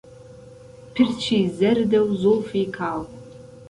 پرچی زهرده و زولفی کاڵ